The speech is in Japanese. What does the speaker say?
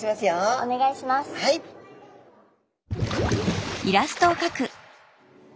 お願いします。